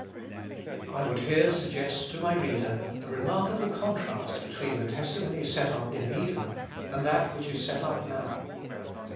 I would here suggest to my reader the remarkable contrast between the testimony set up in Eden, and that which is set up now.